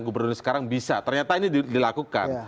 gubernur sekarang bisa ternyata ini dilakukan